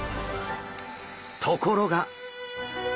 ところが！